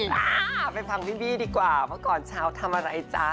เอาไปฟังพี่บี้ดีกว่าเพราะก่อนเช้าทำอะไรจ๊ะ